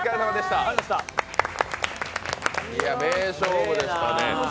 名勝負でしたね。